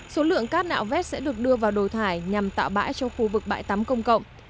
số lượng cát nạo vét sẽ được đưa vào đồ thải nhằm tạo bãi cho khu vực bãi tắm công cộng